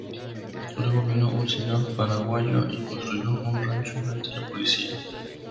Luego vino un señor paraguayo y construyó un rancho frente a la policía.